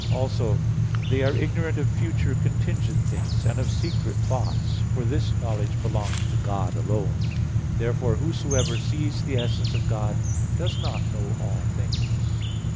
Also they are ignorant of future contingent things, and of secret thoughts; for this knowledge belongs to God alone. Therefore whosoever sees the essence of God, does not know all things.